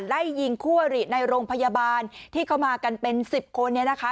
ไล่ยิงคู่อริในโรงพยาบาลที่เข้ามากันเป็นสิบคนเนี่ยนะคะ